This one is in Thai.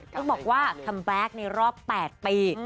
ต้องบอกว่าคัมแบ็คในรอบ๘ปี